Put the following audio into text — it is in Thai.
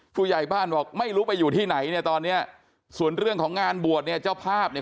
ผู้ใหญ่บ้านบอกไม่รู้ไปอยู่ที่ไหนเนี่ยตอนเนี้ยส่วนเรื่องของงานบวชเนี่ยเจ้าภาพเนี่ย